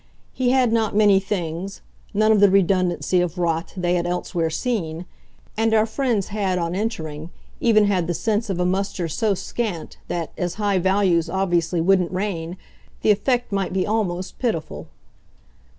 He had not many things, none of the redundancy of "rot" they had elsewhere seen, and our friends had, on entering, even had the sense of a muster so scant that, as high values obviously wouldn't reign, the effect might be almost pitiful.